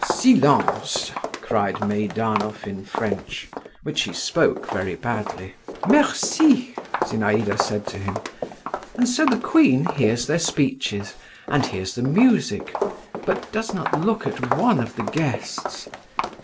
"Silence!" cried Meidanov in French, which he spoke very badly. "Merci!" Zinaïda said to him. "And so the queen hears their speeches, and hears the music, but does not look at one of the guests.